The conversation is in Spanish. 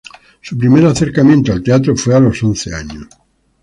Su primer acercamiento al teatro fue a los once años.